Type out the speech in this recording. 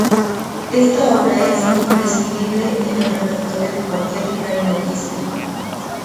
Esta obra es imprescindible en el repertorio de cualquier clarinetista.